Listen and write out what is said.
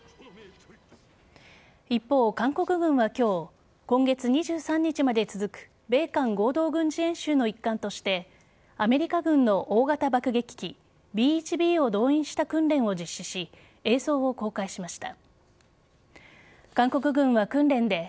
一方、韓国軍は今日今月２３日まで続く米韓合同軍事演習の一環としてアメリカ軍の大型爆撃機Ｂ‐１Ｂを動員した訓練を実施し映像を公開しました。